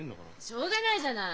しょうがないじゃない。